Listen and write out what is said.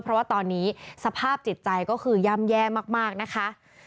เพราะว่าตอนนี้สภาพจิตใจก็คือย่ำแย่มากนะคะ